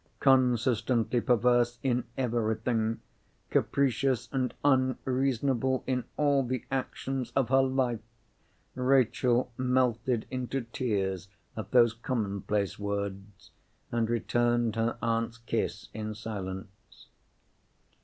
Consistently perverse in everything—capricious and unreasonable in all the actions of her life—Rachel melted into tears at those commonplace words, and returned her aunt's kiss in silence.